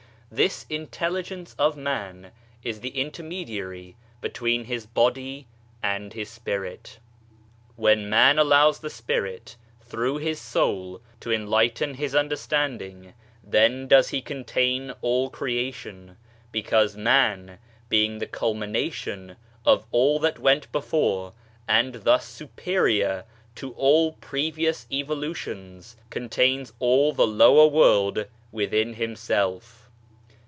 This intelligence of man is the intermediary between his body and his spirit. When Man allows the spirit, through his soul, to enlighten his understanding, then does he contain all Creation ; because Man, being the culmination of all that went before and thus superior to all previous evolutions, contains all the lower world within himself.